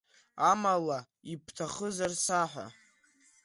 Амала ибҭахызар саҳәа!